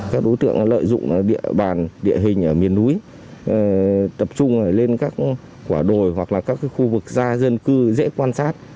các đối tượng lợi dụng địa hình ở miền núi tập trung lên các quả đồi hoặc là các khu vực ra dân cư dễ quan sát